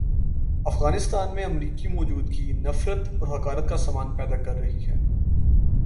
افغانستان میں امریکی موجودگی نفرت اور حقارت کا سامان پیدا کر رہی ہے۔